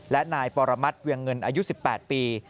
และนายปรมัติเวียงเงินอายุ๑๘ปี